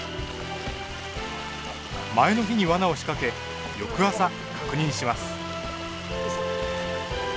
前の日にわなを仕掛け翌朝確認します。